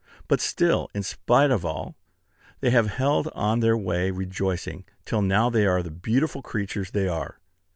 But still, in spite of all, they have held on their way rejoicing, till now they are the beautiful creatures they are.